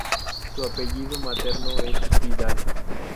Su apellido materno es Vidal.